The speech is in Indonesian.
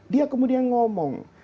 dia kemudian ngomong